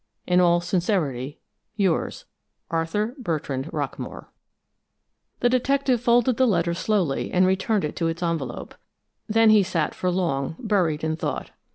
In all sincerity, yours, ARTHUR BERTRAND ROCKAMORE. The detective folded the letter slowly and returned it to its envelope. Then he sat for long buried in thought.